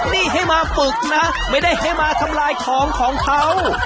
นี่ให้มาฝึกนะไม่ได้ให้มาทำลายของของเขา